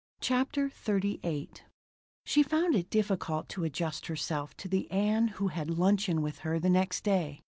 CHAPTER XXXVIII She found it difficult to adjust herself to the Ann who had luncheon with her the next day.